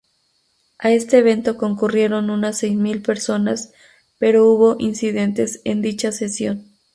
A este evento concurrieron unas seis mil personas, pero hubo incidentes en dicha sesión.